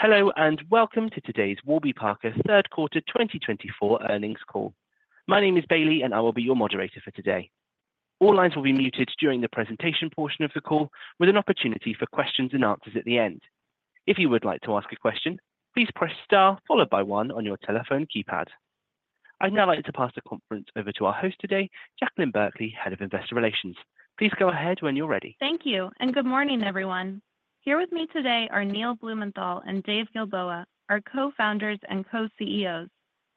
Hello and welcome to today's Warby Parker Q3 2024 earnings call. My name is Bailey, and I will be your moderator for today. All lines will be muted during the presentation portion of the call, with an opportunity for questions and answers at the end. If you would like to ask a question, please press star followed by one on your telephone keypad. I'd now like to pass the conference over to our host today, Jaclyn Berkley, Head of Investor Relations. Please go ahead when you're ready. Thank you, and good morning, everyone. Here with me today are Neil Blumenthal and Dave Gilboa, our co-founders and co-CEOs,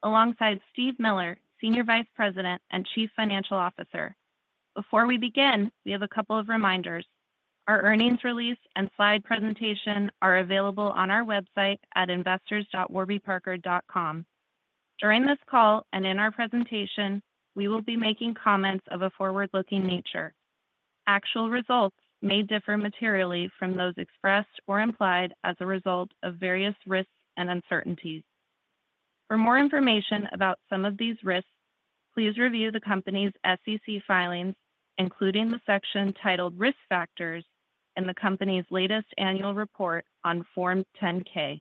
alongside Steve Miller, Senior Vice President and Chief Financial Officer. Before we begin, we have a couple of reminders. Our earnings release and slide presentation are available on our website at investors.warbyparker.com. During this call and in our presentation, we will be making comments of a forward-looking nature. Actual results may differ materially from those expressed or implied as a result of various risks and uncertainties. For more information about some of these risks, please review the company's SEC filings, including the section titled Risk Factors, and the company's latest annual report on Form 10-K.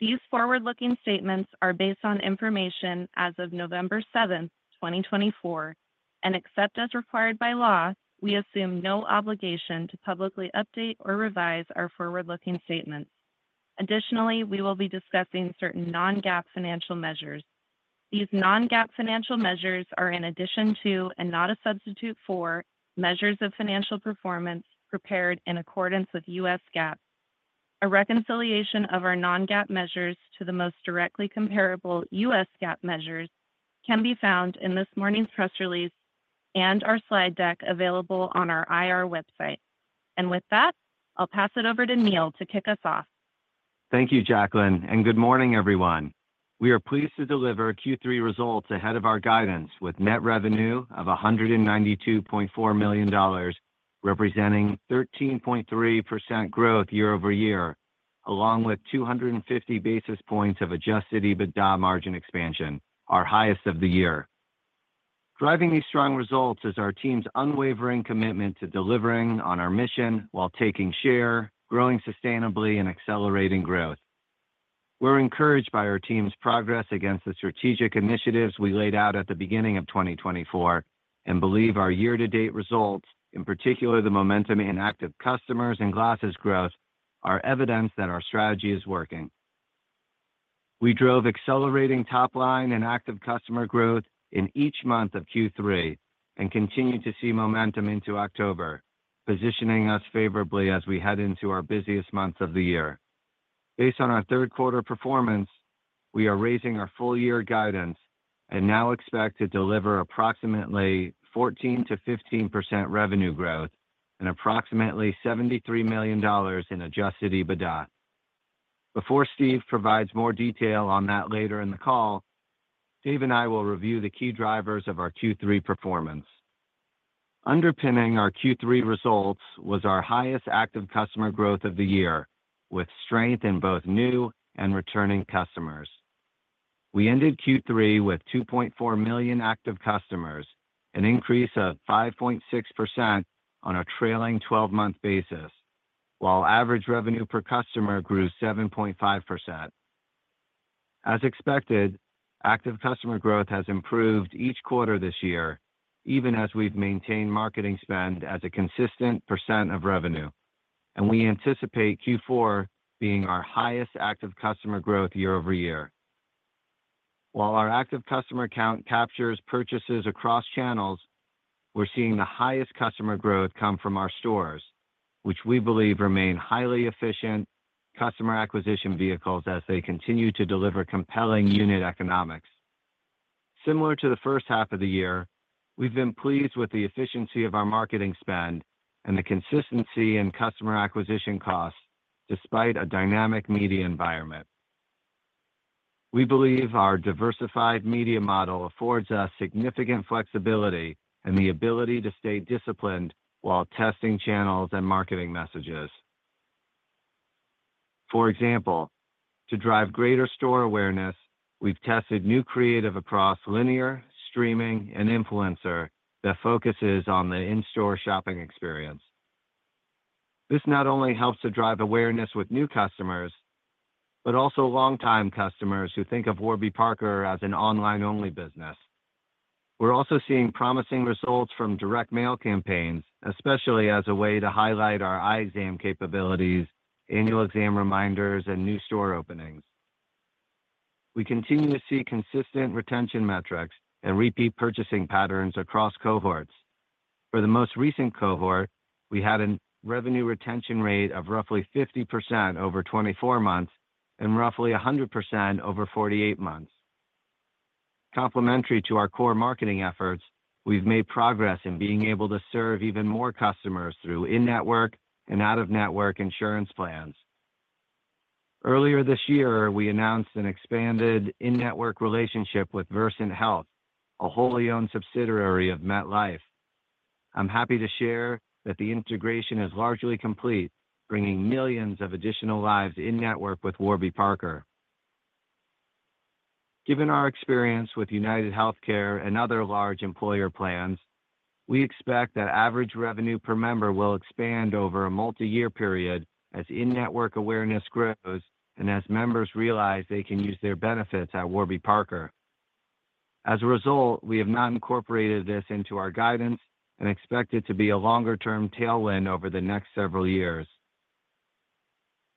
These forward-looking statements are based on information as of November 7, 2024, and except as required by law, we assume no obligation to publicly update or revise our forward-looking statements. Additionally, we will be discussing certain non-GAAP financial measures. These non-GAAP financial measures are in addition to, and not a substitute for, measures of financial performance prepared in accordance with U.S. GAAP. A reconciliation of our non-GAAP measures to the most directly comparable U.S. GAAP measures can be found in this morning's press release and our slide deck available on our IR website. And with that, I'll pass it over to Neil to kick us off. Thank you, Jaclyn, and good morning, everyone. We are pleased to deliver Q3 results ahead of our guidance, with net revenue of $192.4 million, representing 13.3% growth year-over-year, along with 250 basis points of Adjusted EBITDA margin expansion, our highest of the year. Driving these strong results is our team's unwavering commitment to delivering on our mission while taking share, growing sustainably, and accelerating growth. We're encouraged by our team's progress against the strategic initiatives we laid out at the beginning of 2024 and believe our year-to-date results, in particular the momentum in active customers and glasses growth, are evidence that our strategy is working. We drove accelerating top-line and active customer growth in each month of Q3 and continue to see momentum into October, positioning us favorably as we head into our busiest months of the year. Based on our Q3 performance, we are raising our full-year guidance and now expect to deliver approximately 14%-15% revenue growth and approximately $73 million in Adjusted EBITDA. Before Steve provides more detail on that later in the call, Dave and I will review the key drivers of our Q3 performance. Underpinning our Q3 results was our highest active customer growth of the year, with strength in both new and returning customers. We ended Q3 with 2.4 million active customers, an increase of 5.6% on a trailing 12-month basis, while average revenue per customer grew 7.5%. As expected, active customer growth has improved each quarter this year, even as we've maintained marketing spend as a consistent % of revenue, and we anticipate Q4 being our highest active customer growth year-over-year. While our active customer count captures purchases across channels, we're seeing the highest customer growth come from our stores, which we believe remain highly efficient customer acquisition vehicles as they continue to deliver compelling unit economics. Similar to the first half of the year, we've been pleased with the efficiency of our marketing spend and the consistency in customer acquisition costs despite a dynamic media environment. We believe our diversified media model affords us significant flexibility and the ability to stay disciplined while testing channels and marketing messages. For example, to drive greater store awareness, we've tested new creative across linear, streaming, and influencer that focuses on the in-store shopping experience. This not only helps to drive awareness with new customers but also long-time customers who think of Warby Parker as an online-only business. We're also seeing promising results from direct mail campaigns, especially as a way to highlight our eye exam capabilities, annual exam reminders, and new store openings. We continue to see consistent retention metrics and repeat purchasing patterns across cohorts. For the most recent cohort, we had a revenue retention rate of roughly 50% over 24 months and roughly 100% over 48 months. Complementary to our core marketing efforts, we've made progress in being able to serve even more customers through in-network and out-of-network insurance plans. Earlier this year, we announced an expanded in-network relationship with Versant Health, a wholly-owned subsidiary of MetLife. I'm happy to share that the integration is largely complete, bringing millions of additional lives in-network with Warby Parker. Given our experience with UnitedHealthcare and other large employer plans, we expect that average revenue per member will expand over a multi-year period as in-network awareness grows and as members realize they can use their benefits at Warby Parker. As a result, we have now incorporated this into our guidance and expect it to be a longer-term tailwind over the next several years.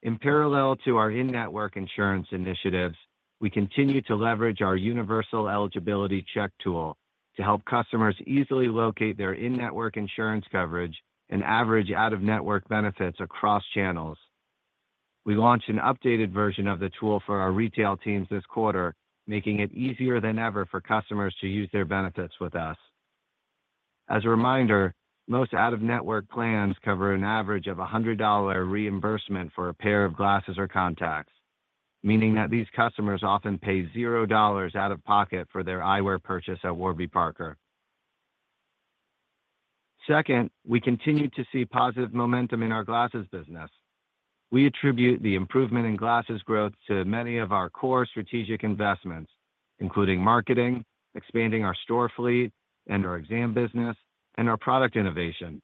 In parallel to our in-network insurance initiatives, we continue to leverage our Universal Eligibility Check tool to help customers easily locate their in-network insurance coverage and average out-of-network benefits across channels. We launched an updated version of the tool for our retail teams this quarter, making it easier than ever for customers to use their benefits with us. As a reminder, most out-of-network plans cover an average of $100 reimbursement for a pair of glasses or contacts, meaning that these customers often pay $0 out of pocket for their eyewear purchase at Warby Parker. Second, we continue to see positive momentum in our glasses business. We attribute the improvement in glasses growth to many of our core strategic investments, including marketing, expanding our store fleet, and our exam business, and our product innovation.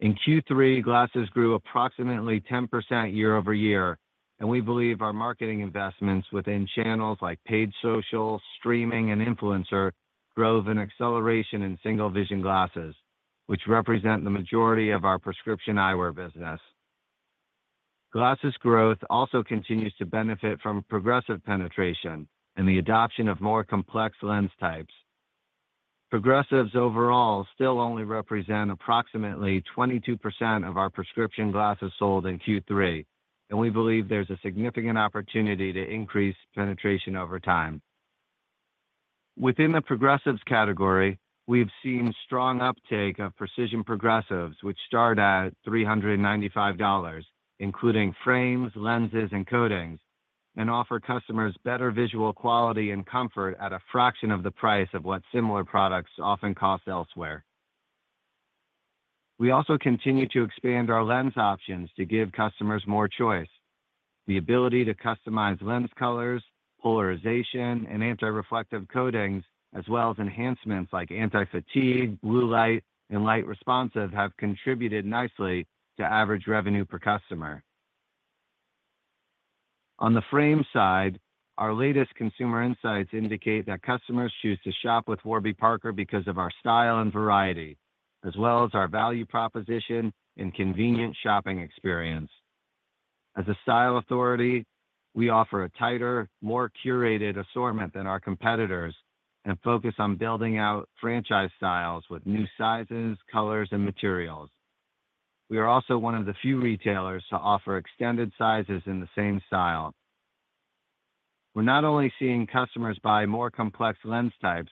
In Q3, glasses grew approximately 10% year-over-year, and we believe our marketing investments within channels like paid social, streaming, and influencer drove an acceleration in single-vision glasses, which represent the majority of our prescription eyewear business. Glasses growth also continues to benefit from progressive penetration and the adoption of more complex lens types. Progressives overall still only represent approximately 22% of our prescription glasses sold in Q3, and we believe there's a significant opportunity to increase penetration over time. Within the progressives category, we've seen strong uptake of Precision Progressives, which start at $395, including frames, lenses, and coatings, and offer customers better visual quality and comfort at a fraction of the price of what similar products often cost elsewhere. We also continue to expand our lens options to give customers more choice. The ability to customize lens colors, polarization, and anti-reflective coatings, as well as enhancements like Anti-Fatigue, Blue Light, and Light Responsive, have contributed nicely to average revenue per customer. On the frame side, our latest consumer insights indicate that customers choose to shop with Warby Parker because of our style and variety, as well as our value proposition and convenient shopping experience. As a style authority, we offer a tighter, more curated assortment than our competitors and focus on building out franchise styles with new sizes, colors, and materials. We are also one of the few retailers to offer extended sizes in the same style. We're not only seeing customers buy more complex lens types.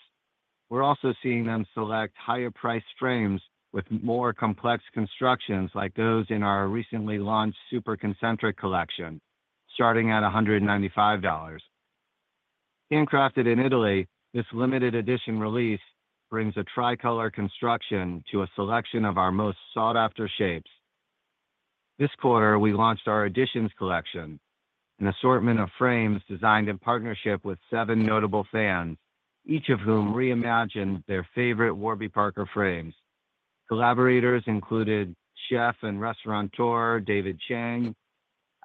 We're also seeing them select higher-priced frames with more complex constructions like those in our recently launched Super Concentric collection, starting at $195. Handcrafted in Italy, this limited-edition release brings a tricolor construction to a selection of our most sought-after shapes. This quarter, we launched our Editions collection, an assortment of frames designed in partnership with seven notable fans, each of whom reimagined their favorite Warby Parker frames. Collaborators included chef and restaurateur David Chang,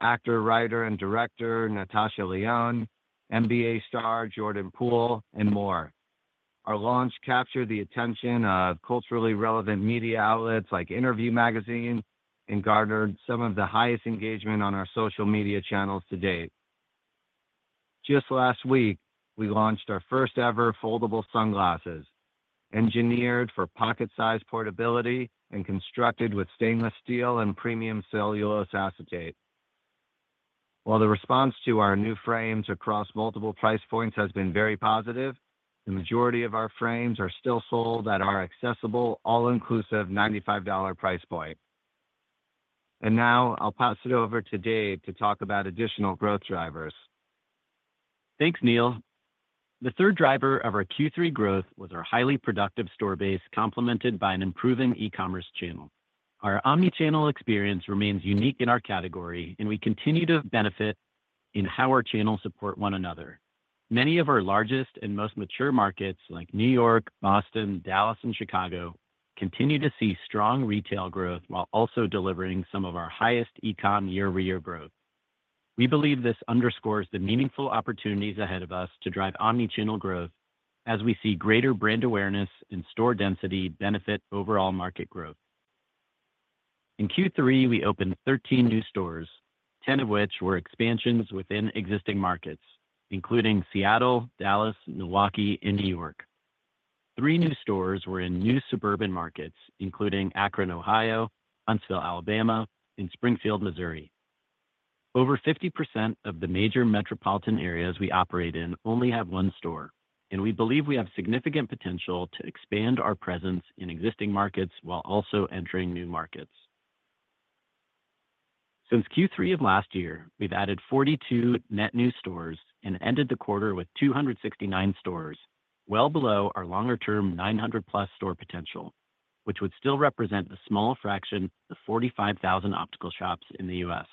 actor, writer, and director Natasha Lyonne, NBA star Jordan Poole, and more. Our launch captured the attention of culturally relevant media outlets like Interview Magazine and garnered some of the highest engagement on our social media channels to date. Just last week, we launched our first-ever foldable sunglasses, engineered for pocket-size portability and constructed with stainless steel and premium cellulose acetate. While the response to our new frames across multiple price points has been very positive, the majority of our frames are still sold at our accessible, all-inclusive $95 price point. And now I'll pass it over to Dave to talk about additional growth drivers. Thanks, Neil. The third driver of our Q3 growth was our highly productive store base, complemented by an improving e-commerce channel. Our omnichannel experience remains unique in our category, and we continue to benefit in how our channels support one another. Many of our largest and most mature markets, like New York, Boston, Dallas, and Chicago, continue to see strong retail growth while also delivering some of our highest e-com year-over-year growth. We believe this underscores the meaningful opportunities ahead of us to drive omnichannel growth as we see greater brand awareness and store density benefit overall market growth. In Q3, we opened 13 new stores, 10 of which were expansions within existing markets, including Seattle, Dallas, Milwaukee, and New York. Three new stores were in new suburban markets, including Akron, Ohio, Huntsville, Alabama, and Springfield, Missouri. Over 50% of the major metropolitan areas we operate in only have one store, and we believe we have significant potential to expand our presence in existing markets while also entering new markets. Since Q3 of last year, we've added 42 net new stores and ended the quarter with 269 stores, well below our longer-term 900-plus store potential, which would still represent a small fraction of the 45,000 optical shops in the U.S.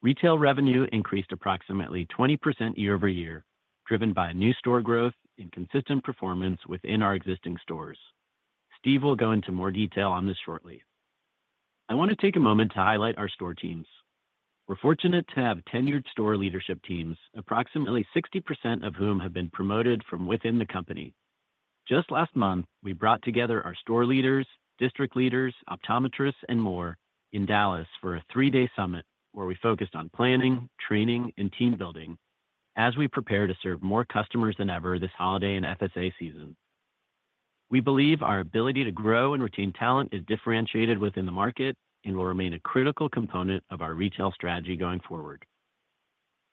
Retail revenue increased approximately 20% year-over-year, driven by new store growth and consistent performance within our existing stores. Steve will go into more detail on this shortly. I want to take a moment to highlight our store teams. We're fortunate to have tenured store leadership teams, approximately 60% of whom have been promoted from within the company. Just last month, we brought together our store leaders, district leaders, optometrists, and more in Dallas for a three-day summit where we focused on planning, training, and team building as we prepare to serve more customers than ever this holiday and FSA season. We believe our ability to grow and retain talent is differentiated within the market and will remain a critical component of our retail strategy going forward.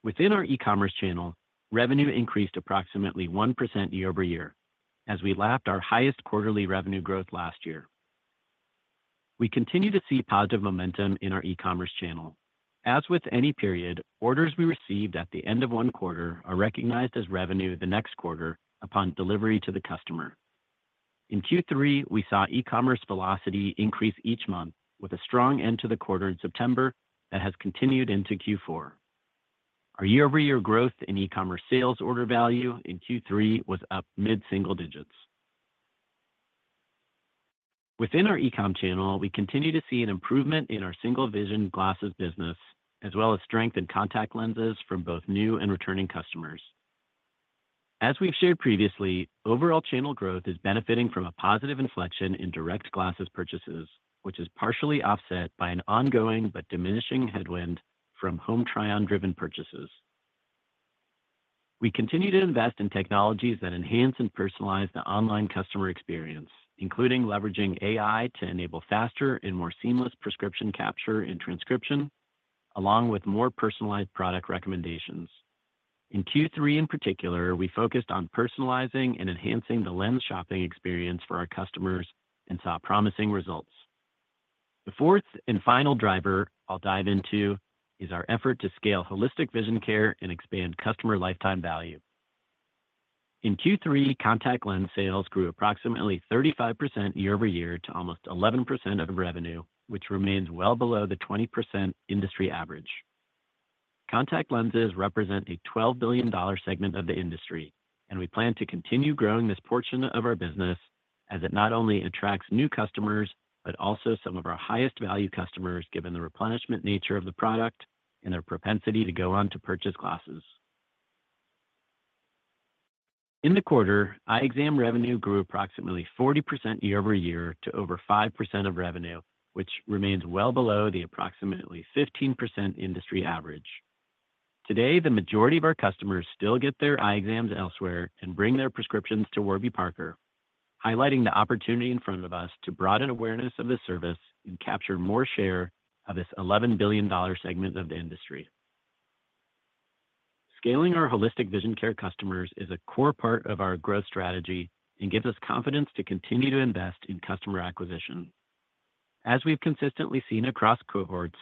Within our e-commerce channel, revenue increased approximately 1% year-over-year as we lapped our highest quarterly revenue growth last year. We continue to see positive momentum in our e-commerce channel. As with any period, orders we received at the end of one quarter are recognized as revenue the next quarter upon delivery to the customer. In Q3, we saw e-commerce velocity increase each month, with a strong end to the quarter in September that has continued into Q4. Our year-over-year growth in e-commerce sales order value in Q3 was up mid-single digits. Within our e-com channel, we continue to see an improvement in our single-vision glasses business, as well as strength in contact lenses from both new and returning customers. As we've shared previously, overall channel growth is benefiting from a positive inflection in direct glasses purchases, which is partially offset by an ongoing but diminishing headwind from Home Try-On-driven purchases. We continue to invest in technologies that enhance and personalize the online customer experience, including leveraging AI to enable faster and more seamless prescription capture and transcription, along with more personalized product recommendations. In Q3, in particular, we focused on personalizing and enhancing the lens shopping experience for our customers and saw promising results. The fourth and final driver I'll dive into is our effort to scale holistic vision care and expand customer lifetime value. In Q3, contact lens sales grew approximately 35% year-over-year to almost 11% of revenue, which remains well below the 20% industry average. Contact lenses represent a $12 billion segment of the industry, and we plan to continue growing this portion of our business as it not only attracts new customers but also some of our highest-value customers, given the replenishment nature of the product and their propensity to go on to purchase glasses. In the quarter, eye exam revenue grew approximately 40% year-over-year to over 5% of revenue, which remains well below the approximately 15% industry average. Today, the majority of our customers still get their eye exams elsewhere and bring their prescriptions to Warby Parker, highlighting the opportunity in front of us to broaden awareness of this service and capture more share of this $11 billion segment of the industry. Scaling our holistic vision care customers is a core part of our growth strategy and gives us confidence to continue to invest in customer acquisition. As we've consistently seen across cohorts,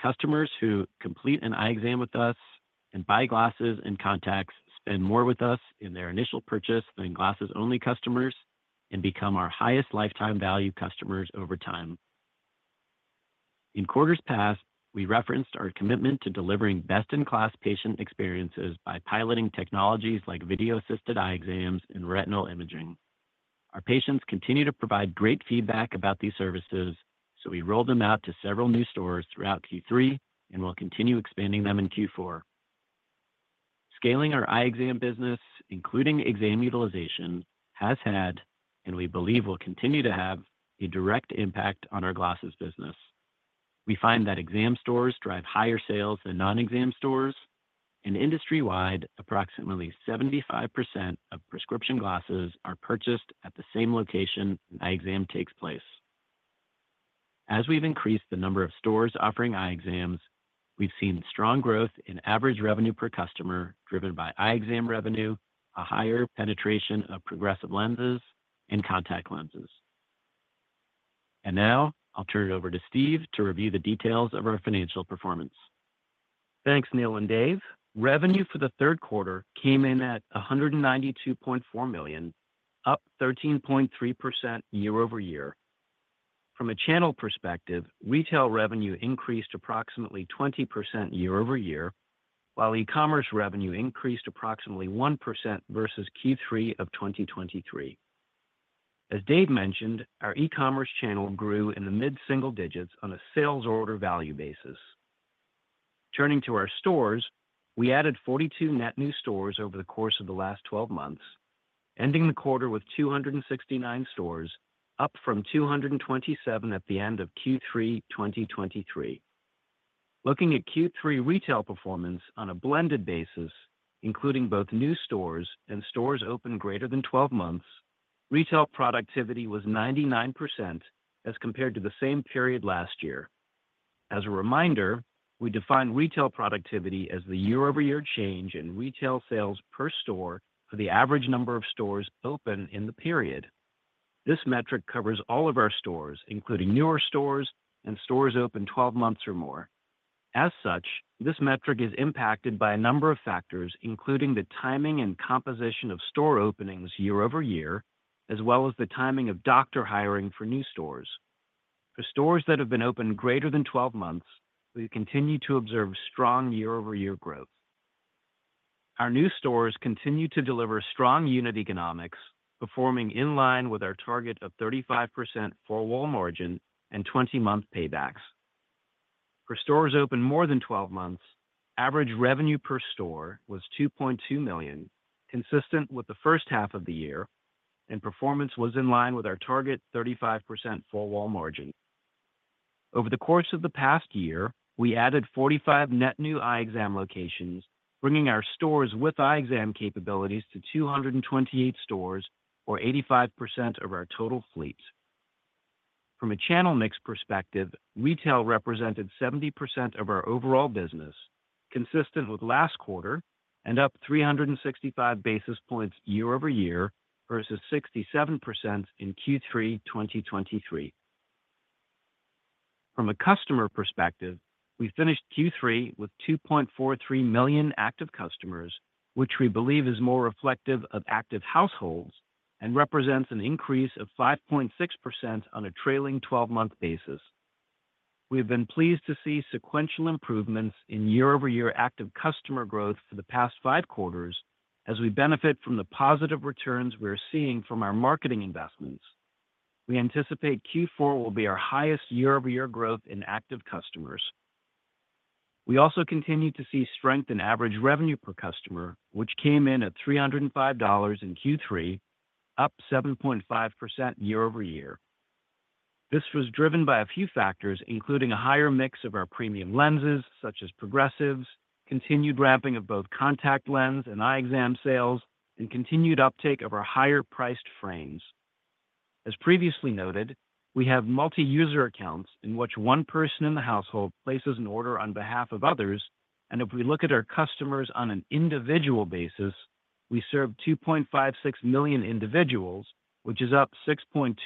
customers who complete an eye exam with us and buy glasses and contacts spend more with us in their initial purchase than glasses-only customers and become our highest lifetime value customers over time. In quarters past, we referenced our commitment to delivering best-in-class patient experiences by piloting technologies like video-assisted eye exams and retinal imaging. Our patients continue to provide great feedback about these services, so we rolled them out to several new stores throughout Q3 and will continue expanding them in Q4. Scaling our eye exam business, including exam utilization, has had, and we believe will continue to have, a direct impact on our glasses business. We find that exam stores drive higher sales than non-exam stores, and industry-wide, approximately 75% of prescription glasses are purchased at the same location an eye exam takes place. As we've increased the number of stores offering eye exams, we've seen strong growth in average revenue per customer driven by eye exam revenue, a higher penetration of progressive lenses, and contact lenses, and now I'll turn it over to Steve to review the details of our financial performance. Thanks, Neil and Dave. Revenue for the third quarter came in at $192.4 million, up 13.3% year-over-year. From a channel perspective, retail revenue increased approximately 20% year-over-year, while e-commerce revenue increased approximately 1% versus Q3 of 2023. As Dave mentioned, our e-commerce channel grew in the mid-single digits on a sales order value basis. Turning to our stores, we added 42 net new stores over the course of the last 12 months, ending the quarter with 269 stores, up from 227 at the end of Q3 2023. Looking at Q3 retail performance on a blended basis, including both new stores and stores open greater than 12 months, retail productivity was 99% as compared to the same period last year. As a reminder, we define retail productivity as the year-over-year change in retail sales per store for the average number of stores open in the period. This metric covers all of our stores, including newer stores and stores open 12 months or more. As such, this metric is impacted by a number of factors, including the timing and composition of store openings year-over-year, as well as the timing of doctor hiring for new stores. For stores that have been open greater than 12 months, we continue to observe strong year-over-year growth. Our new stores continue to deliver strong unit economics, performing in line with our target of 35% four-wall margin and 20-month paybacks. For stores open more than 12 months, average revenue per store was $2.2 million, consistent with the first half of the year, and performance was in line with our target 35% four-wall margin. Over the course of the past year, we added 45 net new eye exam locations, bringing our stores with eye exam capabilities to 228 stores, or 85% of our total fleet. From a channel mix perspective, retail represented 70% of our overall business, consistent with last quarter, and up 365 basis points year-over-year versus 67% in Q3 2023. From a customer perspective, we finished Q3 with 2.43 million active customers, which we believe is more reflective of active households and represents an increase of 5.6% on a trailing 12-month basis. We have been pleased to see sequential improvements in year-over-year active customer growth for the past five quarters as we benefit from the positive returns we're seeing from our marketing investments. We anticipate Q4 will be our highest year-over-year growth in active customers. We also continue to see strength in average revenue per customer, which came in at $305 in Q3, up 7.5% year-over-year. This was driven by a few factors, including a higher mix of our premium lenses, such as progressives, continued ramping of both contact lens and eye exam sales, and continued uptake of our higher-priced frames. As previously noted, we have multi-user accounts in which one person in the household places an order on behalf of others, and if we look at our customers on an individual basis, we serve 2.56 million individuals, which is up 6.2%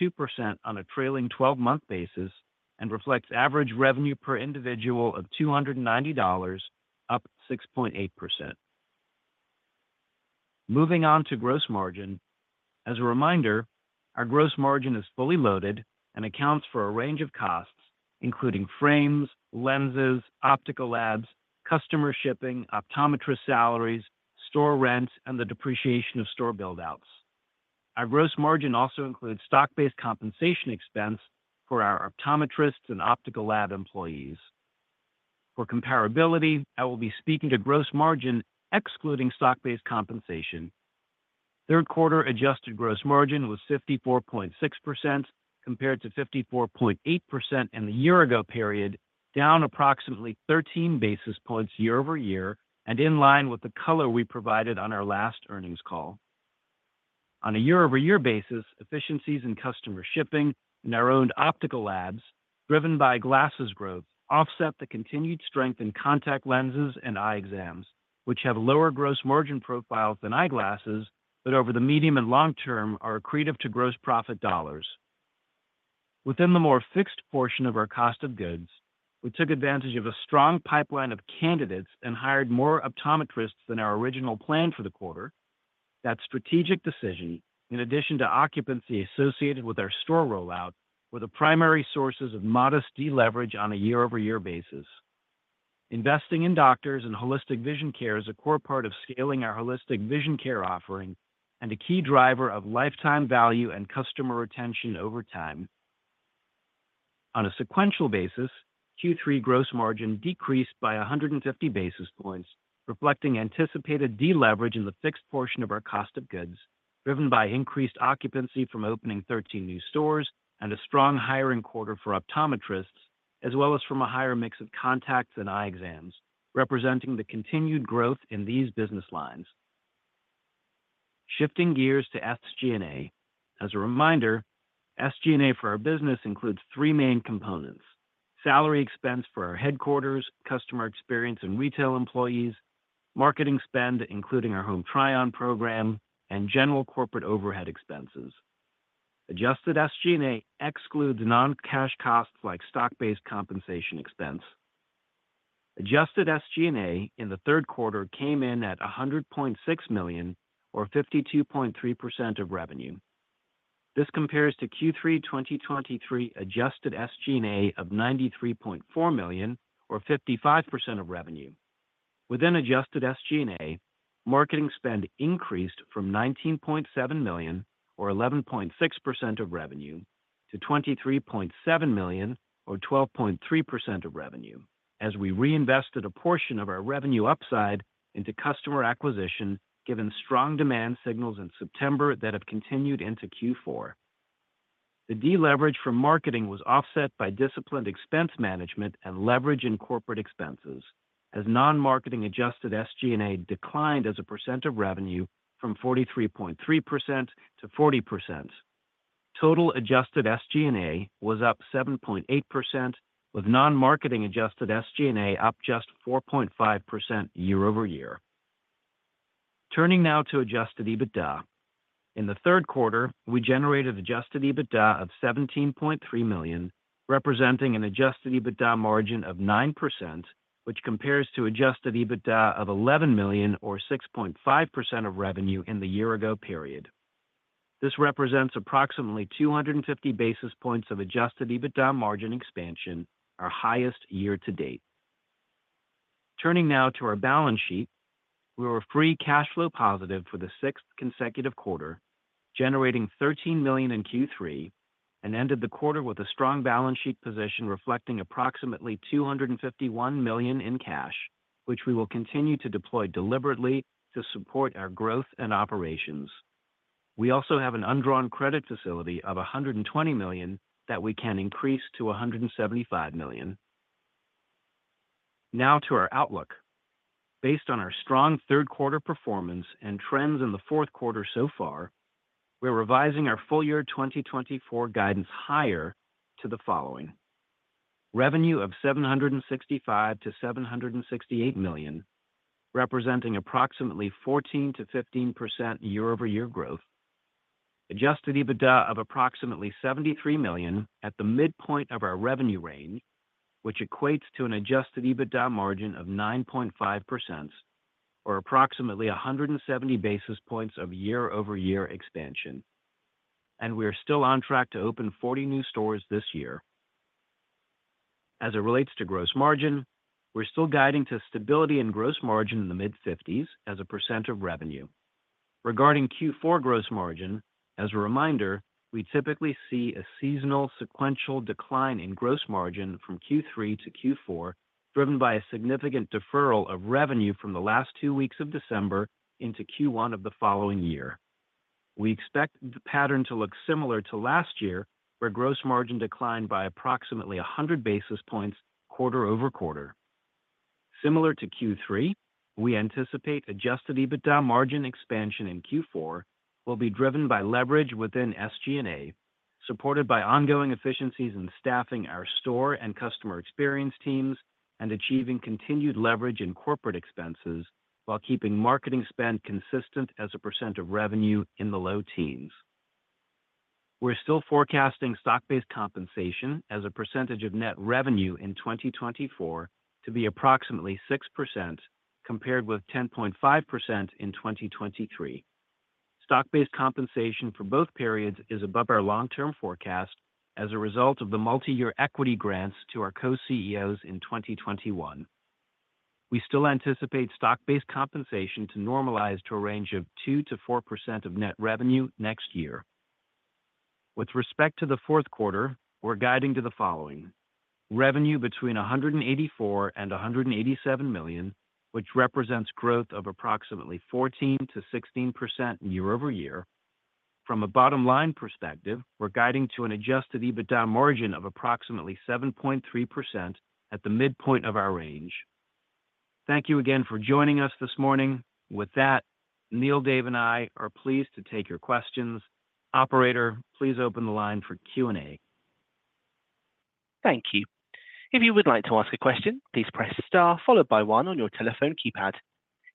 on a trailing 12-month basis and reflects average revenue per individual of $290, up 6.8%. Moving on to gross margin. As a reminder, our gross margin is fully loaded and accounts for a range of costs, including frames, lenses, optical labs, customer shipping, optometrist salaries, store rents, and the depreciation of store buildouts. Our gross margin also includes stock-based compensation expense for our optometrists and optical lab employees. For comparability, I will be speaking to gross margin excluding stock-based compensation. Third quarter adjusted gross margin was 54.6% compared to 54.8% in the year-ago period, down approximately 13 basis points year-over-year and in line with the color we provided on our last earnings call. On a year-over-year basis, efficiencies in customer shipping and our owned optical labs, driven by glasses growth, offset the continued strength in contact lenses and eye exams, which have lower gross margin profiles than eyeglasses but over the medium and long term are accretive to gross profit dollars. Within the more fixed portion of our cost of goods, we took advantage of a strong pipeline of candidates and hired more optometrists than our original plan for the quarter. That strategic decision, in addition to occupancy associated with our store rollout, were the primary sources of modest deleverage on a year-over-year basis. Investing in doctors and holistic vision care is a core part of scaling our holistic vision care offering and a key driver of lifetime value and customer retention over time. On a sequential basis, Q3 gross margin decreased by 150 basis points, reflecting anticipated deleverage in the fixed portion of our cost of goods, driven by increased occupancy from opening 13 new stores and a strong hiring quarter for optometrists, as well as from a higher mix of contacts and eye exams, representing the continued growth in these business lines. Shifting gears to SG&A. As a reminder, SG&A for our business includes three main components: salary expense for our headquarters, customer experience and retail employees, marketing spend, including our Home Try-On program, and general corporate overhead expenses. Adjusted SG&A excludes non-cash costs like stock-based compensation expense. Adjusted SG&A in the third quarter came in at $100.6 million, or 52.3% of revenue. This compares to Q3 2023 adjusted SG&A of $93.4 million, or 55% of revenue. Within adjusted SG&A, marketing spend increased from $19.7 million, or 11.6% of revenue, to $23.7 million, or 12.3% of revenue, as we reinvested a portion of our revenue upside into customer acquisition, given strong demand signals in September that have continued into Q4. The deleverage from marketing was offset by disciplined expense management and leverage in corporate expenses, as non-marketing adjusted SG&A declined as a percent of revenue from 43.3% to 40%. Total adjusted SG&A was up 7.8%, with non-marketing adjusted SG&A up just 4.5% year-over-year. Turning now to adjusted EBITDA. In the third quarter, we generated adjusted EBITDA of $17.3 million, representing an adjusted EBITDA margin of 9%, which compares to adjusted EBITDA of $11 million, or 6.5% of revenue in the year-ago period. This represents approximately 250 basis points of adjusted EBITDA margin expansion, our highest year-to-date. Turning now to our balance sheet, we were free cash flow positive for the sixth consecutive quarter, generating $13 million in Q3, and ended the quarter with a strong balance sheet position reflecting approximately $251 million in cash, which we will continue to deploy deliberately to support our growth and operations. We also have an undrawn credit facility of $120 million that we can increase to $175 million. Now to our outlook. Based on our strong third quarter performance and trends in the fourth quarter so far, we're revising our full year 2024 guidance higher to the following: revenue of $765-$768 million, representing approximately 14%-15% year-over-year growth. Adjusted EBITDA of approximately $73 million at the midpoint of our revenue range, which equates to an Adjusted EBITDA margin of 9.5%, or approximately 170 basis points of year-over-year expansion. We are still on track to open 40 new stores this year. As it relates to gross margin, we're still guiding to stability in gross margin in the mid-50s% of revenue. Regarding Q4 gross margin, as a reminder, we typically see a seasonal sequential decline in gross margin from Q3 to Q4, driven by a significant deferral of revenue from the last two weeks of December into Q1 of the following year. We expect the pattern to look similar to last year, where gross margin declined by approximately 100 basis points quarter over quarter. Similar to Q3, we anticipate Adjusted EBITDA margin expansion in Q4 will be driven by leverage within SG&A, supported by ongoing efficiencies in staffing our store and customer experience teams, and achieving continued leverage in corporate expenses while keeping marketing spend consistent as a % of revenue in the low teens. We're still forecasting stock-based compensation as a % of net revenue in 2024 to be approximately 6%, compared with 10.5% in 2023. Stock-based compensation for both periods is above our long-term forecast as a result of the multi-year equity grants to our co-CEOs in 2021. We still anticipate stock-based compensation to normalize to a range of 2%-4% of net revenue next year. With respect to the fourth quarter, we're guiding to the following: revenue between $184 and $187 million, which represents growth of approximately 14 to 16% year-over-year. From a bottom-line perspective, we're guiding to an Adjusted EBITDA margin of approximately 7.3% at the midpoint of our range. Thank you again for joining us this morning. With that, Neil, Dave, and I are pleased to take your questions. Operator, please open the line for Q&A. Thank you. If you would like to ask a question, please press * followed by 1 on your telephone keypad.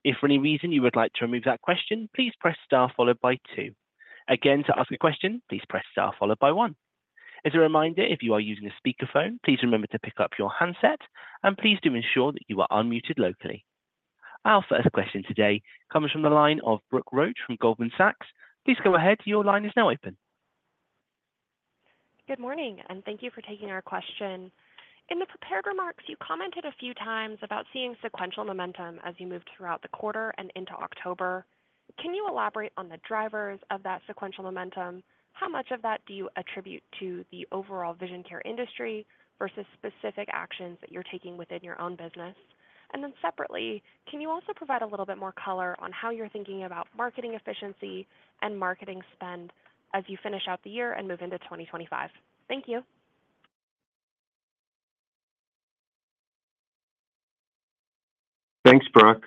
If for any reason you would like to remove that question, please press * followed by 2. Again, to ask a question, please press * followed by 1. As a reminder, if you are using a speakerphone, please remember to pick up your handset, and please do ensure that you are unmuted locally. Our first question today comes from the line of Brooke Roach from Goldman Sachs. Please go ahead. Your line is now open. Good morning, and thank you for taking our question. In the prepared remarks, you commented a few times about seeing sequential momentum as you move throughout the quarter and into October. Can you elaborate on the drivers of that sequential momentum? How much of that do you attribute to the overall vision care industry versus specific actions that you're taking within your own business? And then separately, can you also provide a little bit more color on how you're thinking about marketing efficiency and marketing spend as you finish out the year and move into 2025? Thank you. Thanks, Brooke.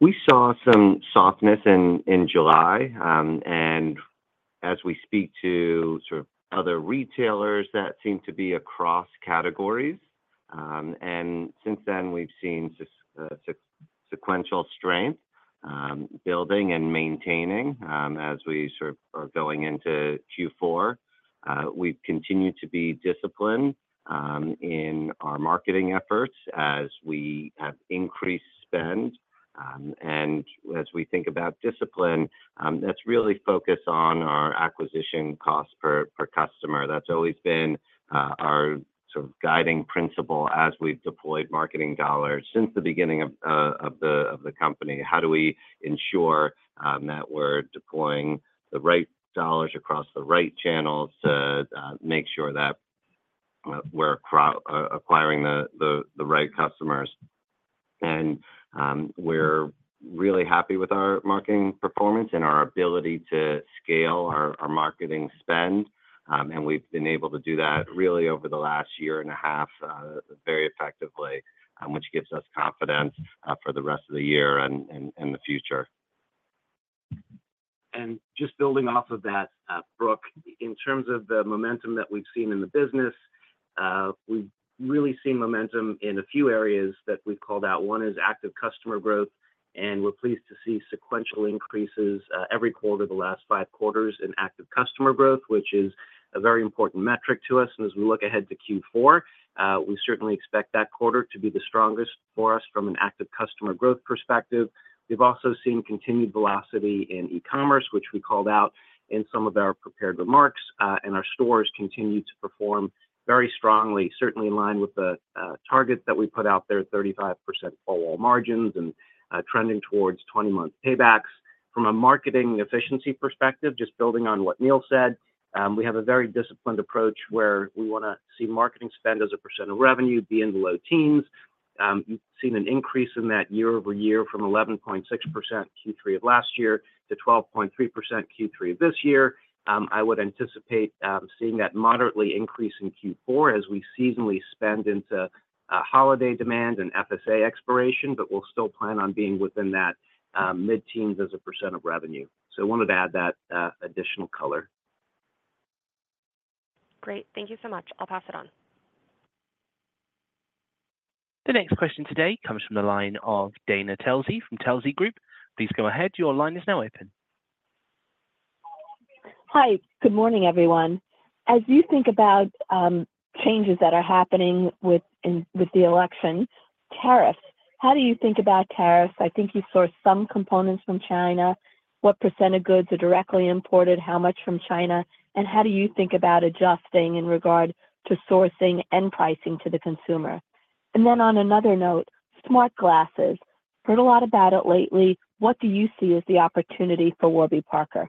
We saw some softness in July, and as we speak to sort of other retailers, that seemed to be across categories. Since then, we've seen sequential strength building and maintaining as we sort of are going into Q4. We've continued to be disciplined in our marketing efforts as we have increased spend. As we think about discipline, that's really focused on our acquisition cost per customer. That's always been our sort of guiding principle as we've deployed marketing dollars since the beginning of the company. How do we ensure that we're deploying the right dollars across the right channels to make sure that we're acquiring the right customers? We're really happy with our marketing performance and our ability to scale our marketing spend. We've been able to do that really over the last year and a half very effectively, which gives us confidence for the rest of the year and the future. Just building off of that, Brooke, in terms of the momentum that we've seen in the business, we've really seen momentum in a few areas that we've called out. One is active customer growth, and we're pleased to see sequential increases every quarter of the last five quarters in active customer growth, which is a very important metric to us. As we look ahead to Q4, we certainly expect that quarter to be the strongest for us from an active customer growth perspective. We've also seen continued velocity in e-commerce, which we called out in some of our prepared remarks, and our stores continue to perform very strongly, certainly in line with the targets that we put out there: 35% four-wall margins and trending towards 20-month paybacks. From a marketing efficiency perspective, just building on what Neil said, we have a very disciplined approach where we want to see marketing spend as a percent of revenue be in the low teens. You've seen an increase in that year-over-year from 11.6% Q3 of last year to 12.3% Q3 of this year. I would anticipate seeing that moderately increase in Q4 as we seasonally spend into holiday demand and FSA expiration, but we'll still plan on being within that mid-teens as a percent of revenue. So I wanted to add that additional color. Great. Thank you so much. I'll pass it on. The next question today comes from the line of Dana Telsey from Telsey Advisory Group. Please go ahead. Your line is now open. Hi. Good morning, everyone. As you think about changes that are happening with the election, tariffs, how do you think about tariffs? I think you source some components from China. What percent of goods are directly imported? How much from China? And how do you think about adjusting in regard to sourcing and pricing to the consumer? And then on another note, smart glasses. Heard a lot about it lately. What do you see as the opportunity for Warby Parker?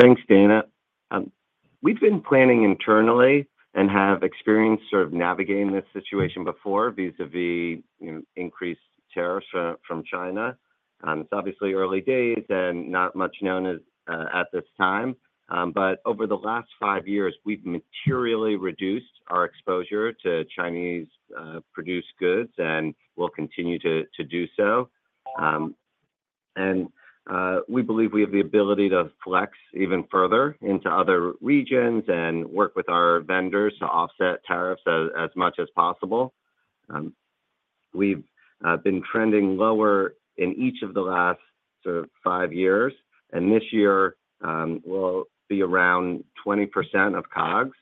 Thank you. Thanks, Dana. We've been planning internally and have experience sort of navigating this situation before vis-à-vis increased tariffs from China. It's obviously early days and not much known at this time. But over the last five years, we've materially reduced our exposure to Chinese-produced goods and will continue to do so. And we believe we have the ability to flex even further into other regions and work with our vendors to offset tariffs as much as possible. We've been trending lower in each of the last sort of five years, and this year will be around 20% of COGS.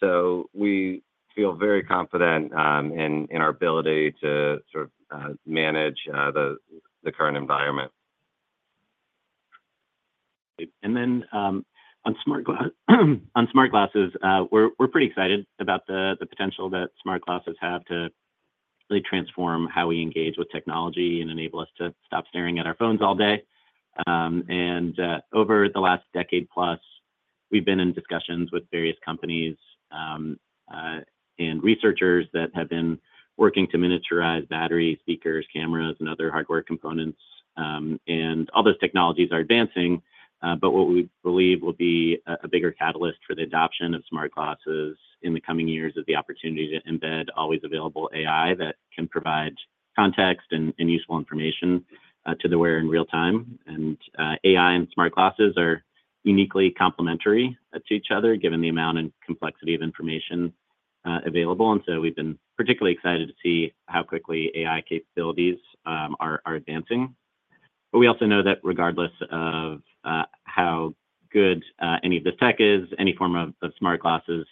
So we feel very confident in our ability to sort of manage the current environment. And then on smart glasses, we're pretty excited about the potential that smart glasses have to really transform how we engage with technology and enable us to stop staring at our phones all day. And over the last decade-plus, we've been in discussions with various companies and researchers that have been working to miniaturize batteries, speakers, cameras, and other hardware components. And all those technologies are advancing, but what we believe will be a bigger catalyst for the adoption of smart glasses in the coming years is the opportunity to embed always-available AI that can provide context and useful information to the wearer in real time. And AI and smart glasses are uniquely complementary to each other, given the amount and complexity of information available. And so we've been particularly excited to see how quickly AI capabilities are advancing. But we also know that regardless of how good any of this tech is, any form of smart glasses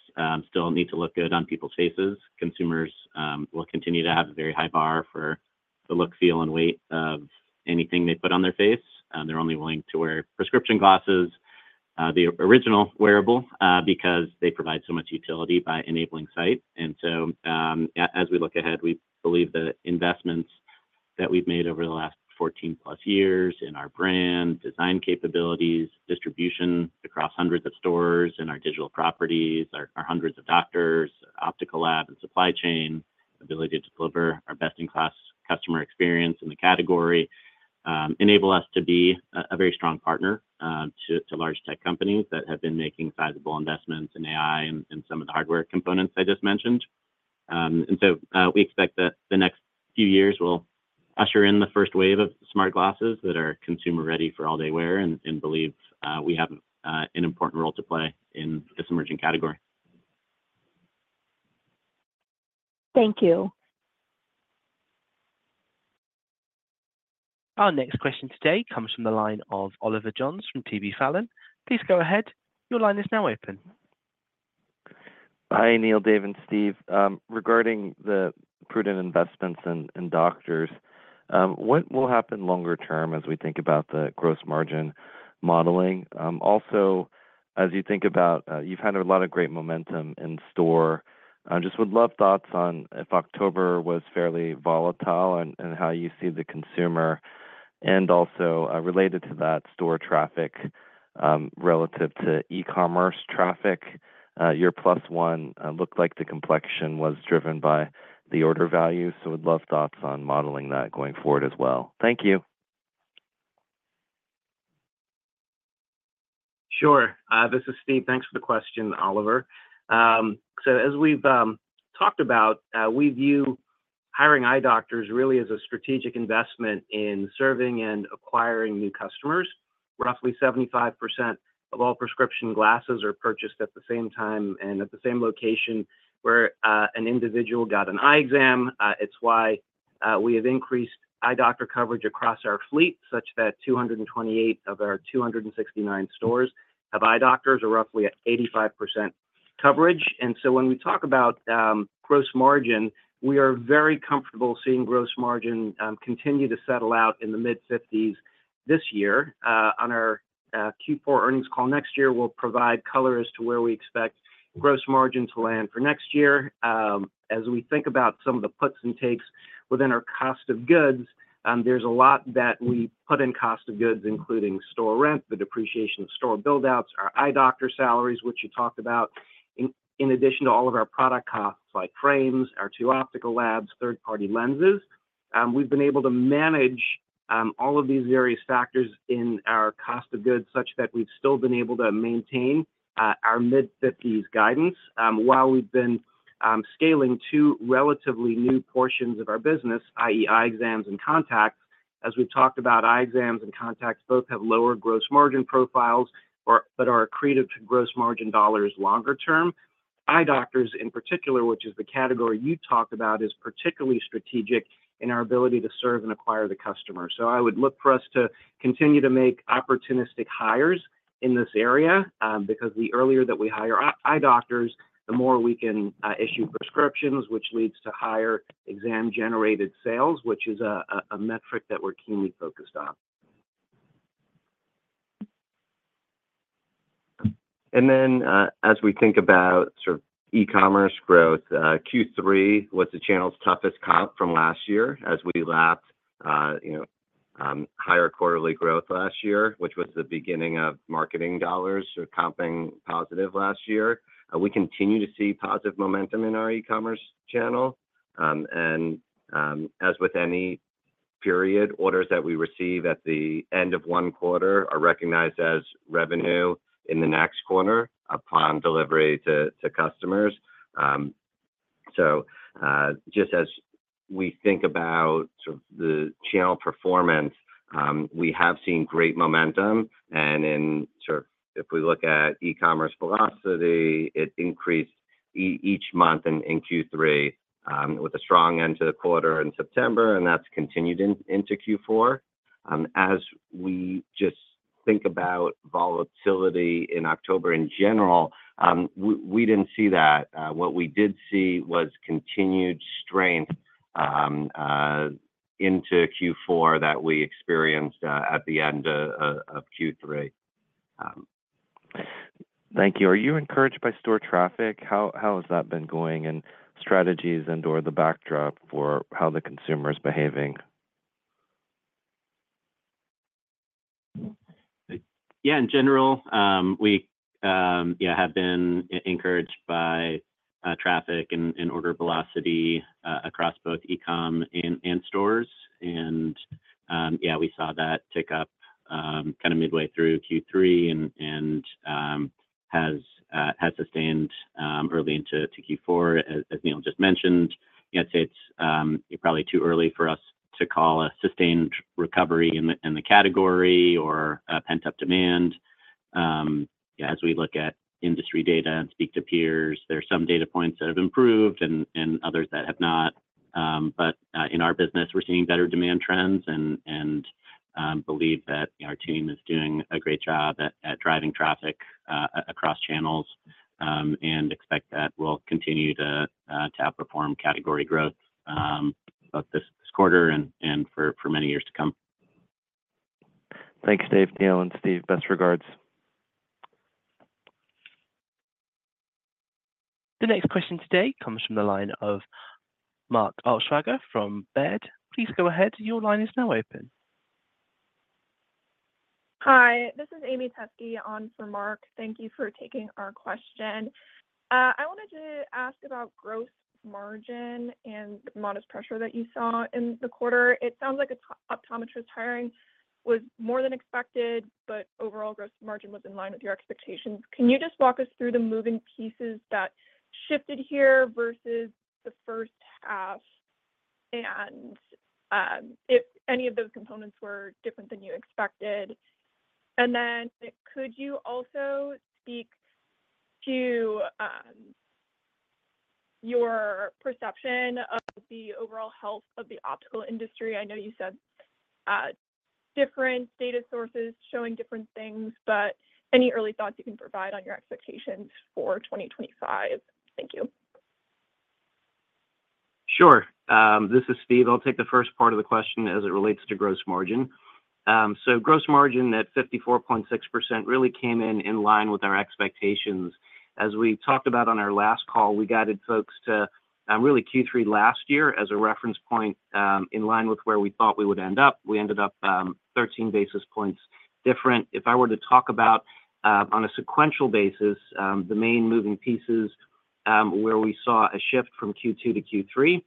still need to look good on people's faces. Consumers will continue to have a very high bar for the look, feel, and weight of anything they put on their face. They're only willing to wear prescription glasses, the original wearable, because they provide so much utility by enabling sight. And so as we look ahead, we believe the investments that we've made over the last 14-plus years in our brand, design capabilities, distribution across hundreds of stores and our digital properties, our hundreds of doctors, optical lab, and supply chain, ability to deliver our best-in-class customer experience in the category enable us to be a very strong partner to large tech companies that have been making sizable investments in AI and some of the hardware components I just mentioned. And so we expect that the next few years will usher in the first wave of smart glasses that are consumer-ready for all-day wear and believe we have an important role to play in this emerging category. Thank you. Our next question today comes from the line of Oliver Chen from TD Cowen. Please go ahead. Your line is now open. Hi, Neil, Dave, and Steve. Regarding the prudent investments in doctors, what will happen longer term as we think about the gross margin modeling? Also, as you think about you've had a lot of great momentum in store. Just would love thoughts on if October was fairly volatile and how you see the consumer. And also related to that, store traffic relative to e-commerce traffic, your plus one looked like the complexion was driven by the order value. So would love thoughts on modeling that going forward as well. Thank you. Sure. This is Steve. Thanks for the question, Oliver. So as we've talked about, we view hiring eye doctors really as a strategic investment in serving and acquiring new customers. Roughly 75% of all prescription glasses are purchased at the same time and at the same location where an individual got an eye exam. It's why we have increased eye doctor coverage across our fleet, such that 228 of our 269 stores have eye doctors or roughly 85% coverage, and so when we talk about gross margin, we are very comfortable seeing gross margin continue to settle out in the mid-50s this year. On our Q4 earnings call next year, we'll provide color as to where we expect gross margin to land for next year. As we think about some of the puts and takes within our cost of goods, there's a lot that we put in cost of goods, including store rent, the depreciation of store buildouts, our eye doctor salaries, which you talked about, in addition to all of our product costs like frames, our two optical labs, third-party lenses. We've been able to manage all of these various factors in our cost of goods such that we've still been able to maintain our mid-50s guidance while we've been scaling two relatively new portions of our business, i.e., eye exams and contacts. As we've talked about, eye exams and contacts both have lower gross margin profiles, but are accretive to gross margin dollars longer term. Eye doctors in particular, which is the category you talked about, is particularly strategic in our ability to serve and acquire the customer. So I would look for us to continue to make opportunistic hires in this area because the earlier that we hire eye doctors, the more we can issue prescriptions, which leads to higher exam-generated sales, which is a metric that we're keenly focused on. And then as we think about sort of e-commerce growth, Q3 was the channel's toughest comp from last year as we lapped higher quarterly growth last year, which was the beginning of marketing dollars comping positive last year. We continue to see positive momentum in our e-commerce channel. And as with any period, orders that we receive at the end of one quarter are recognized as revenue in the next quarter upon delivery to customers. So just as we think about sort of the channel performance, we have seen great momentum. And if we look at e-commerce velocity, it increased each month in Q3 with a strong end to the quarter in September, and that's continued into Q4. As we just think about volatility in October in general, we didn't see that. What we did see was continued strength into Q4 that we experienced at the end of Q3. Thank you. Are you encouraged by store traffic? How has that been going and strategies and/or the backdrop for how the consumer is behaving? Yeah. In general, we have been encouraged by traffic and order velocity across both e-com and stores, and yeah, we saw that tick up kind of midway through Q3 and has sustained early into Q4, as Neil just mentioned. I'd say it's probably too early for us to call a sustained recovery in the category or pent-up demand. As we look at industry data and speak to peers, there are some data points that have improved and others that have not, but in our business, we're seeing better demand trends and believe that our team is doing a great job at driving traffic across channels and expect that we'll continue to outperform category growth this quarter and for many years to come. Thanks, Dave, Neil, and Steve. Best regards. The next question today comes from the line of Mark Altschwager from Baird. Please go ahead. Your line is now open. Hi. This is Amy Teske on for Mark. Thank you for taking our question. I wanted to ask about gross margin and modest pressure that you saw in the quarter. It sounds like optometrist hiring was more than expected, but overall gross margin was in line with your expectations. Can you just walk us through the moving pieces that shifted here versus the first half and if any of those components were different than you expected? And then could you also speak to your perception of the overall health of the optical industry? I know you said different data sources showing different things, but any early thoughts you can provide on your expectations for 2025? Thank you. Sure. This is Steve. I'll take the first part of the question as it relates to gross margin. So gross margin at 54.6% really came in line with our expectations. As we talked about on our last call, we guided folks to really Q3 last year as a reference point in line with where we thought we would end up. We ended up 13 basis points different. If I were to talk about on a sequential basis, the main moving pieces where we saw a shift from Q2 to Q3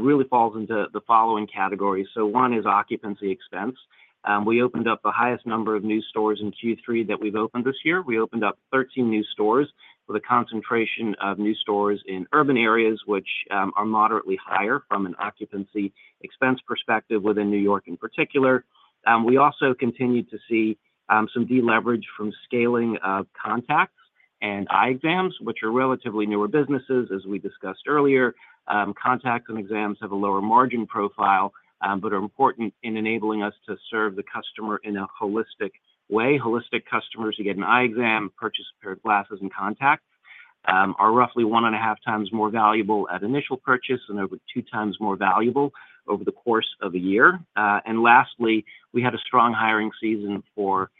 really falls into the following categories. So one is occupancy expense. We opened up the highest number of new stores in Q3 that we've opened this year. We opened up 13 new stores with a concentration of new stores in urban areas, which are moderately higher from an occupancy expense perspective within New York in particular. We also continued to see some deleverage from scaling of contacts and eye exams, which are relatively newer businesses. As we discussed earlier, contacts and exams have a lower margin profile but are important in enabling us to serve the customer in a holistic way. Holistic customers who get an eye exam, purchase a pair of glasses and contacts are roughly one and a half times more valuable at initial purchase and over two times more valuable over the course of a year. And lastly, we had a strong hiring season for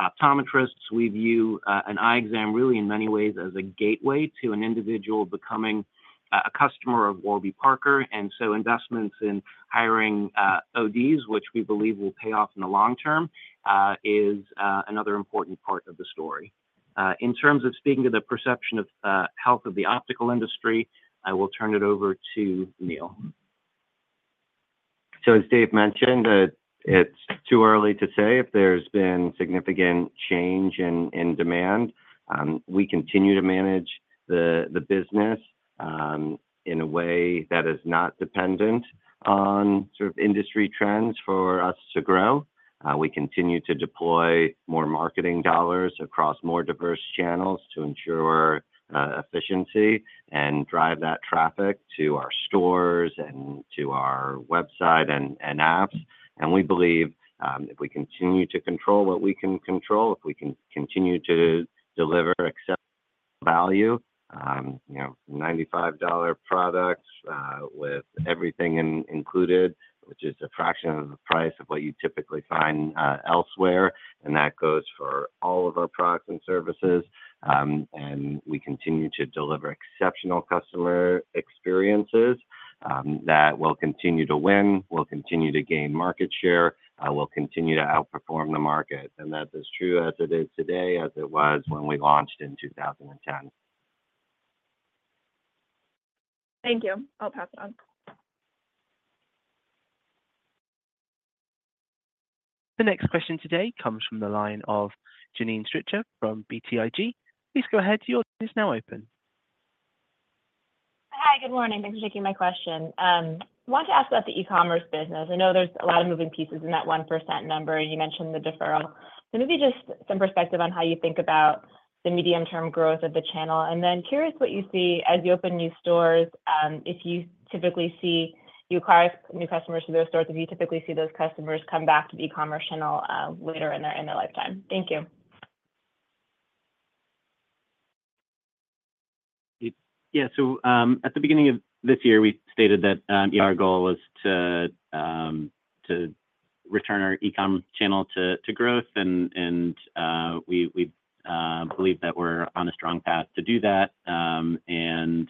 optometrists. We view an eye exam really in many ways as a gateway to an individual becoming a customer of Warby Parker. And so investments in hiring ODs, which we believe will pay off in the long term, is another important part of the story. In terms of speaking to the perception of health of the optical industry, I will turn it over to Neil, So as Dave mentioned, it's too early to say if there's been significant change in demand. We continue to manage the business in a way that is not dependent on sort of industry trends for us to grow. We continue to deploy more marketing dollars across more diverse channels to ensure efficiency and drive that traffic to our stores and to our website and apps, and we believe if we continue to control what we can control, if we can continue to deliver acceptable value, $95 products with everything included, which is a fraction of the price of what you typically find elsewhere, and that goes for all of our products and services. We continue to deliver exceptional customer experiences that will continue to win, will continue to gain market share, will continue to outperform the market. That's as true as it is today as it was when we launched in 2010. Thank you. I'll pass it on. The next question today comes from the line of Janine Stichter from BTIG. Please go ahead. Your line is now open. Hi. Good morning. Thanks for taking my question. I want to ask about the e-commerce business. I know there's a lot of moving pieces in that 1% number. You mentioned the deferral. So maybe just some perspective on how you think about the medium-term growth of the channel. And then, curious what you see as you open new stores, if you typically see you acquire new customers for those stores, if you typically see those customers come back to the e-commerce channel later in their lifetime. Thank you. Yeah, so at the beginning of this year, we stated that our goal was to return our e-com channel to growth. And we believe that we're on a strong path to do that. And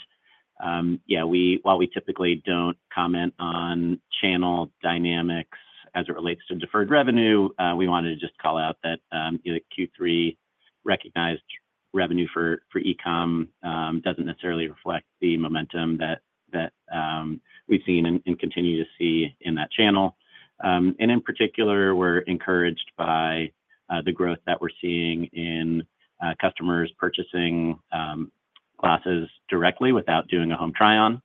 yeah, while we typically don't comment on channel dynamics as it relates to deferred revenue, we wanted to just call out that Q3 recognized revenue for e-com doesn't necessarily reflect the momentum that we've seen and continue to see in that channel. In particular, we're encouraged by the growth that we're seeing in customers purchasing glasses directly without doing a Home Try-On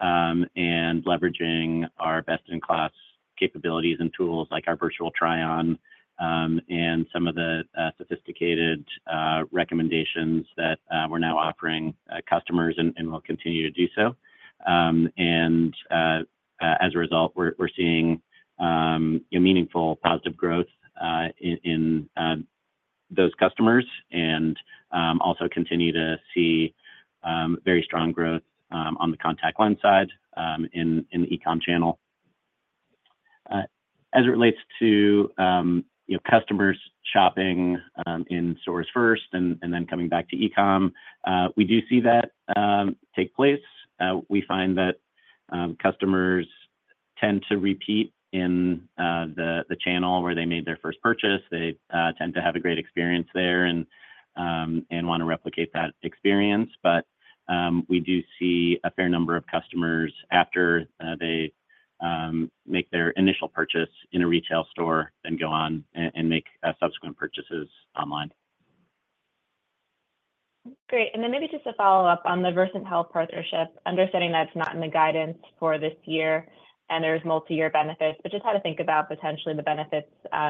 and leveraging our best-in-class capabilities and tools like our Virtual Try-On and some of the sophisticated recommendations that we're now offering customers and will continue to do so. As a result, we're seeing meaningful positive growth in those customers and also continue to see very strong growth on the contact lens side in the e-com channel. As it relates to customers shopping in stores first and then coming back to e-com, we do see that take place. We find that customers tend to repeat in the channel where they made their first purchase. They tend to have a great experience there and want to replicate that experience. But we do see a fair number of customers after they make their initial purchase in a retail store and go on and make subsequent purchases online. Great. And then maybe just to follow up on the Versant Health partnership, understanding that it's not in the guidance for this year and there's multi-year benefits, but just how to think about potentially the benefits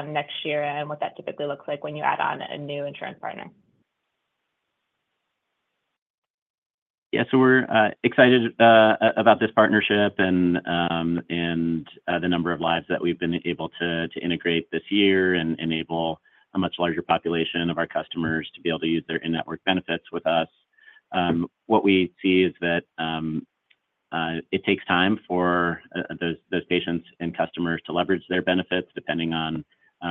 next year and what that typically looks like when you add on a new insurance partner. Yeah. So we're excited about this partnership and the number of lives that we've been able to integrate this year and enable a much larger population of our customers to be able to use their in-network benefits with us. What we see is that it takes time for those patients and customers to leverage their benefits depending on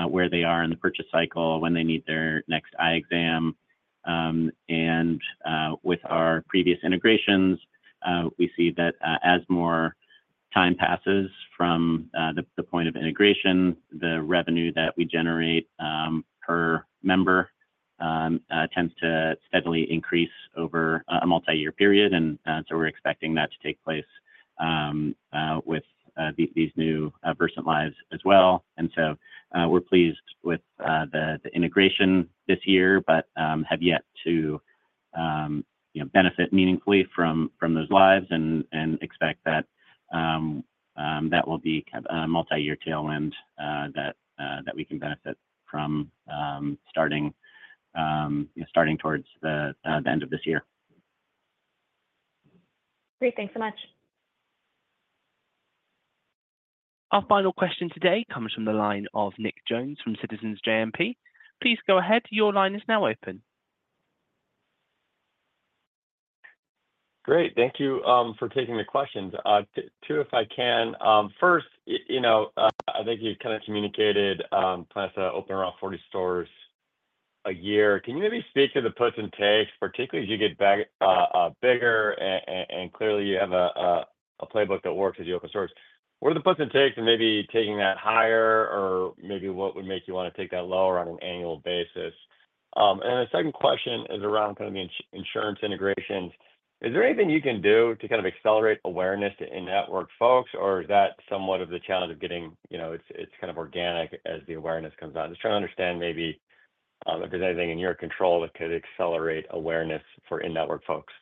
where they are in the purchase cycle, when they need their next eye exam. And with our previous integrations, we see that as more time passes from the point of integration, the revenue that we generate per member tends to steadily increase over a multi-year period. And so we're expecting that to take place with these new Versant lives as well. And so we're pleased with the integration this year, but have yet to benefit meaningfully from those lives and expect that that will be kind of a multi-year tailwind that we can benefit from starting towards the end of this year. Great. Thanks so much. Our final question today comes from the line of Nick Jones from Citizens JMP. Please go ahead. Your line is now open. Great. Thank you for taking the questions. Two, if I can. First, I think you kind of communicated plans to open around 40 stores a year. Can you maybe speak to the puts and takes, particularly as you get bigger and clearly you have a playbook that works at the open stores? What are the puts and takes in maybe taking that higher or maybe what would make you want to take that lower on an annual basis? And then the second question is around kind of the insurance integrations. Is there anything you can do to kind of accelerate awareness to in-network folks, or is that somewhat of the challenge of getting, it's kind of organic as the awareness comes out? Just trying to understand maybe if there's anything in your control that could accelerate awareness for in-network folks.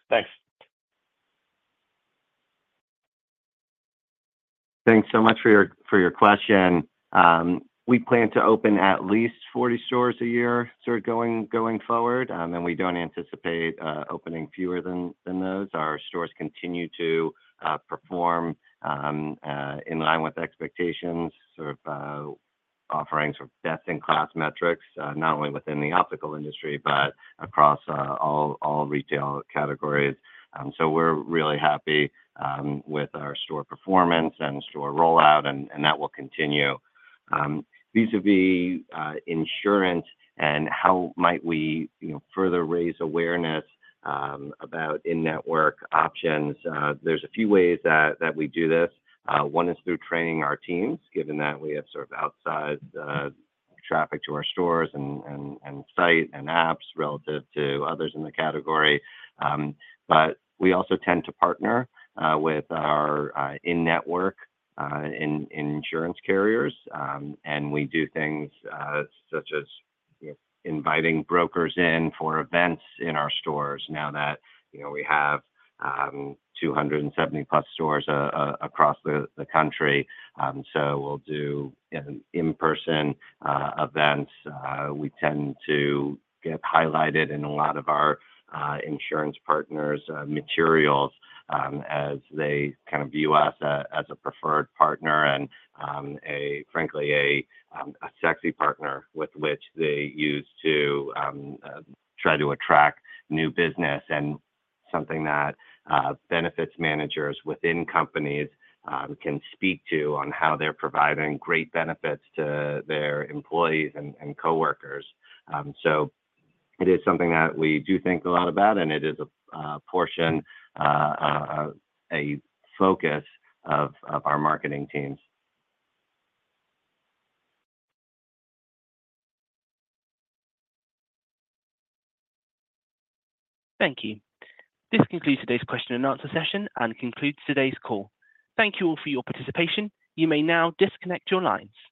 Thanks. Thanks so much for your question. We plan to open at least 40 stores a year sort of going forward, and we don't anticipate opening fewer than those. Our stores continue to perform in line with expectations, sort of offering sort of best-in-class metrics not only within the optical industry but across all retail categories. So we're really happy with our store performance and store rollout, and that will continue. Vis-à-vis insurance and how might we further raise awareness about in-network options, there's a few ways that we do this. One is through training our teams, given that we have sort of outsized traffic to our stores and site and apps relative to others in the category. But we also tend to partner with our in-network insurance carriers, and we do things such as inviting brokers in for events in our stores now that we have 270-plus stores across the country. So we'll do in-person events. We tend to get highlighted in a lot of our insurance partners' materials as they kind of view us as a preferred partner and, frankly, a sexy partner with which they use to try to attract new business and something that benefits managers within companies can speak to on how they're providing great benefits to their employees and coworkers, so it is something that we do think a lot about, and it is a portion, a focus of our marketing teams. Thank you. This concludes today's question and answer session and concludes today's call. Thank you all for your participation. You may now disconnect your lines.